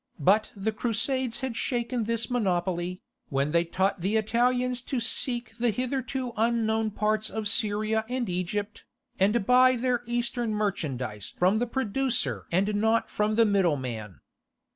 But the Crusades had shaken this monopoly, when they taught the Italians to seek the hitherto unknown parts of Syria and Egypt, and buy their Eastern merchandize from the producer and not from the middleman.